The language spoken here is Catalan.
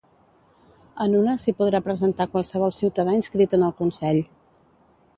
En una, s’hi podrà presentar qualsevol ciutadà inscrit en el consell.